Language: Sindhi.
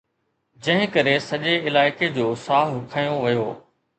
جنهن ڪري سڄي علائقي جو ساهه کنيو ويو.